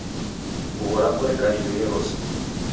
Nguw'o rapo reka rilue rose.